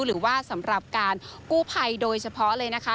หรือว่าสำหรับการกู้ภัยโดยเฉพาะเลยนะคะ